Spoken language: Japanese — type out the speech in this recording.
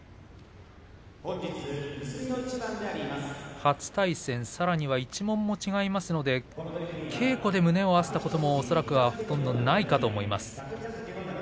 初対戦さらには一門も違いますので稽古で胸を合わせたことも恐らくほとんどないかと思います。